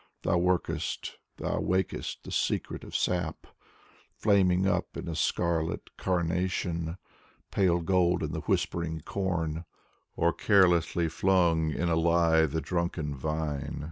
Thou workest, thou wakest the secret of sap : Flaming up in a scarlet carnation. Pale gold in the whispering com, Or carelessly 'flung in a lithe drunken vine.